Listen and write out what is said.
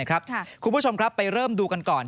คุณผู้ชมครับไปเริ่มดูกันก่อน